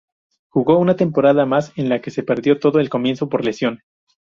Jugó una temporada más, en la que se perdió todo el comienzo por lesión.